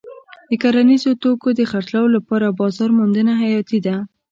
د کرنیزو توکو د خرڅلاو لپاره بازار موندنه حیاتي ده.